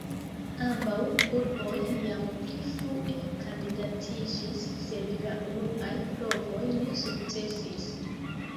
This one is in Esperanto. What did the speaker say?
Ambaŭ urboj jam pli frue kandidatiĝis, sed la unuaj provoj ne sukcesis.